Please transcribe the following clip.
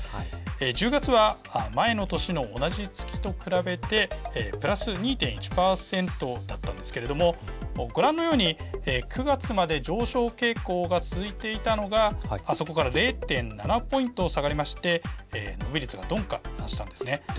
１０月は前の年の同じ月と比べてプラス２．１％だったんですけれどもご覧のように９月まで上昇傾向が続いていたのがそこから０．７ポイント下がりまして鈍化して。